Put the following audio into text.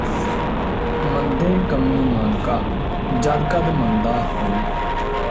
ਮੰਦੇ ਕੰਮੀ ਨਾਨਕਾ ਜਦ ਕਦ ਮੰਦਾ ਹੋਏ